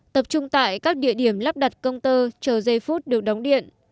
tập trung tại các địa điểm lắp đặt công tơ chờ giây phút được đóng điện